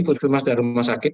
putus kemas dan rumah sakit